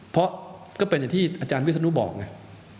เพราะก็เป็นที่อาจารย์วิสุนุบอกไง